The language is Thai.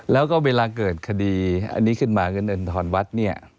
แล้วก็เวลาเกิดคดีอันนี้ขึ้นมาเงินทอนวัดเนี่ย